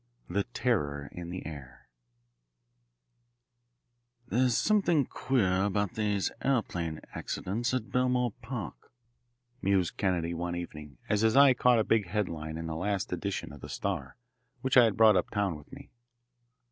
IX. The Terror In The Air "There's something queer about these aeroplane accidents at Belmore Park," mused Kennedy, one evening, as his eye caught a big headline in the last edition of the Star, which I had brought uptown with me.